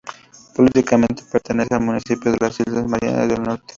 Políticamente pertenece al Municipio de las islas Marianas del Norte.